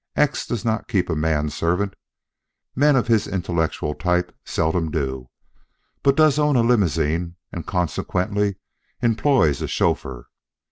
X does not keep a man servant men of his intellectual type seldom do but does own a limousine and consequently employs a chauffeur.